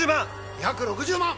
２６０万！